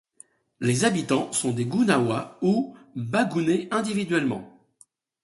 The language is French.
Les habitants sont des gounawa, ou bagouné individuellement.